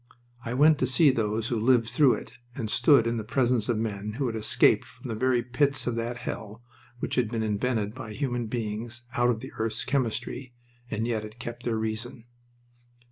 I went to see those who lived through it and stood in the presence of men who had escaped from the very pits of that hell which had been invented by human beings out of the earth's chemistry, and yet had kept their reason.